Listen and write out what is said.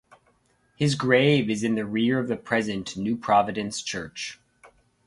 His grave is in the rear of the present New Providence Church.